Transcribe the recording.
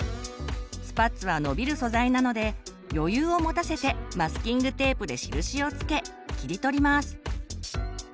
スパッツはのびる素材なので余裕を持たせてマスキングテープで印を付け切り取ります。